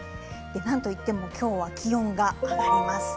なんといっても今日は気温が上がります。